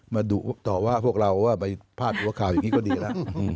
ดุต่อว่าพวกเราว่าไปพาดหัวข่าวอย่างนี้ก็ดีแล้ว